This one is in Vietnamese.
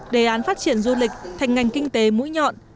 đề án phát triển du lịch thành ngành kinh tế mũi nhọn